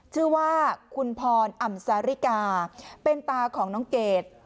ชื่อว่าคุณพรอ่ำสาริกาเป็นตาของน้องเกด